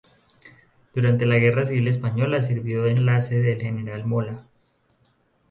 Durante la Guerra Civil Española sirvió de enlace del general Mola.